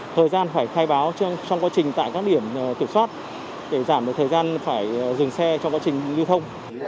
thời gian phải khai báo trong quá trình tại các điểm thu phí để giảm thời gian phải dừng xe trong quá trình lưu thông